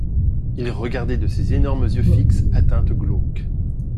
Il regardait de ses énormes yeux fixes à teintes glauques.